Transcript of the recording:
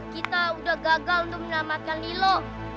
kita udah gagal untuk menamakan lilo